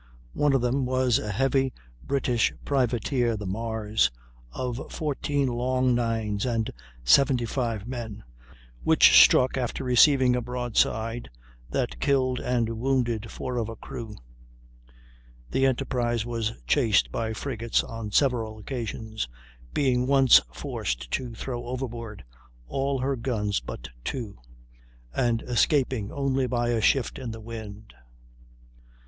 One of them was a heavy British privateer, the Mars, of 14 long nines and 75 men, which struck after receiving a broadside that killed and wounded 4 of her crew. The Enterprise was chased by frigates on several occasions; being once forced to throw overboard all her guns but two, and escaping only by a shift in the wind.